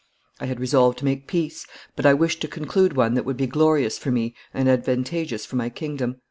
I had resolved to make peace, but I wished to conclude one that would be glorious for me and advantageous for my kingdom.